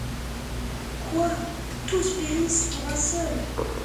Quoi, tous périssent pour un seul !.